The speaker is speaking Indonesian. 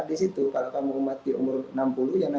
besok ya ya besok matinya